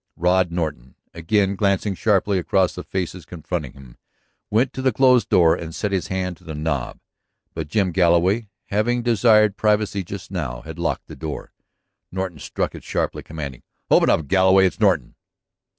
Rod Norton, again glancing sharply across the faces confronting him, went to the closed door and set his hand to the knob. But Jim Galloway, having desired privacy just now, had locked the door. Norton struck it sharply, commanding: "Open up, Galloway. It's Norton."